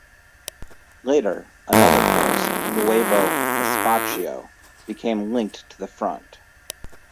Later another force, Nuevo Espacio, became linked to the front.